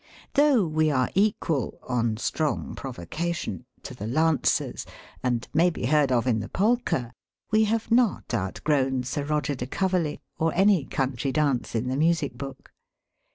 Though we are equal (on strong provocation) to the Lancers, and may be heard of in the Polka, we have not outgrown Sir Roger de Coverley, or any country dance in the music book.